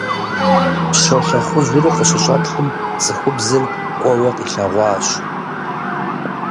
Щолэхъужьри къыщыщӀэплъым, цӀыхубзыр кӀуэуэ къилъэгъуащ.